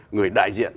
người đại diện